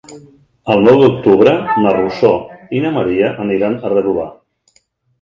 El nou d'octubre na Rosó i na Maria aniran a Redovà.